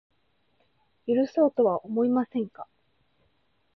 許そうとは思いませんか